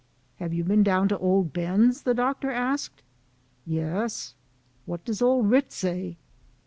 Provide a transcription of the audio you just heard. " Have you been down to Old Ben's ?" the Doctor asked. " Yes." " What does Old Kit say